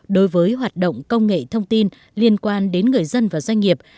đối với hoạt động công nghệ thông tin liên quan đến người dân và doanh nghiệp